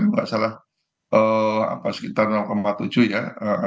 tidak salah sekitar tujuh ya